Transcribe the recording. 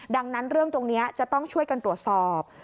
ดังนั้นเรื่องตรงนี้จะต้องช่วยกันตรวจสอบ